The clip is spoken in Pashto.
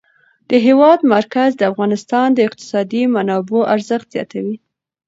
د هېواد مرکز د افغانستان د اقتصادي منابعو ارزښت زیاتوي.